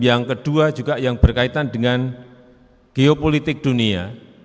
yang kedua juga yang berkaitan dengan geopolitik dunia